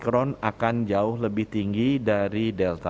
kita harus mencari yang lebih tinggi dari delta